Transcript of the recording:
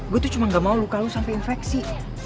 gue tuh cuma ga mau luka lu sampe infeksi